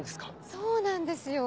そうなんですよ！